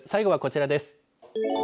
最後はこちらです。